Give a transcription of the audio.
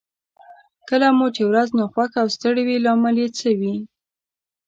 کله مو چې ورځ ناخوښه او ستړې وي لامل يې څه وي؟